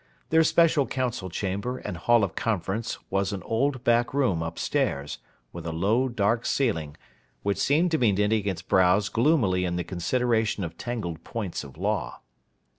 Their special council chamber and hall of conference was an old back room up stairs, with a low dark ceiling, which seemed to be knitting its brows gloomily in the consideration of tangled points of law.